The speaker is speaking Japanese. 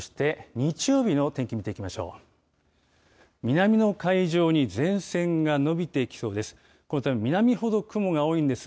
南の海上に前線が延びてきそうです。